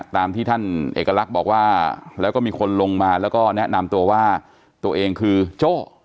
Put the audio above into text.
ตามที่ท่านเอกลักษณ์บอกว่าแล้วก็มีคนลงมาแล้วก็แนะนำตัวว่าตัวเองคือโจ้